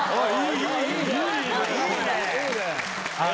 はい。